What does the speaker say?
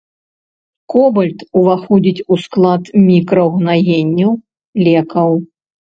Кобальт уваходзіць у склад мікраўгнаенняў, лекаў.